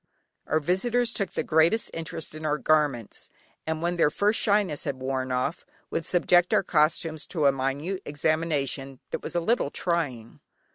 Our visitors took the greatest interest in our garments, and when their first shyness had worn off, would subject our costumes to a minute examination that was a little trying.